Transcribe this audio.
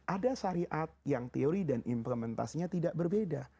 ada syariat yang teori dan implementasinya tidak berbeda